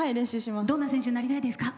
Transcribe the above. どんな選手になりたいですか？